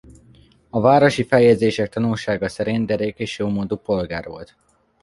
A városi feljegyzések tanúsága szerint derék és jómódú polgár volt.